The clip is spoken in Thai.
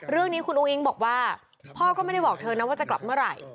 เรื่องนี้คุณอุ้งอิ๊งบอกว่าพ่อก็ไม่ได้บอกเธอนะว่าจะกลับเมื่อไหร่